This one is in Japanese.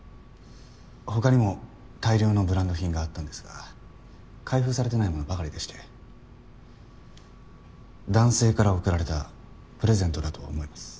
他にも大量のブランド品があったんですが開封されてないものばかりでして男性から贈られたプレゼントだと思います。